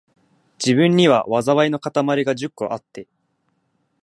自分には、禍いのかたまりが十個あって、